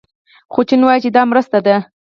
خو چین وايي چې دا مرسته ده.